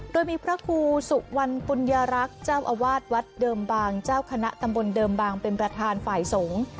โดยมีพระครูสุวรรณปุญญารักษ์เจ้าอาวาสวัดเดิมบางเจ้าคณะตำบลเดิมบางเป็นประธานฝ่ายสงฆ์